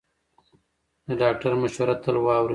د ډاکټر مشوره تل واورئ.